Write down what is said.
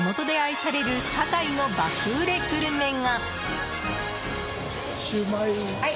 そんな地元で愛されるさかいの爆売れグルメが。